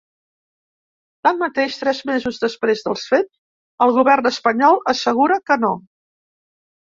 Tanmateix, tres mesos després dels fets, el govern espanyol assegura que no.